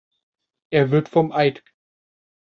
Er wird vom Eidg.